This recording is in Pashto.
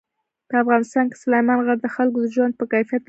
په افغانستان کې سلیمان غر د خلکو د ژوند په کیفیت تاثیر کوي.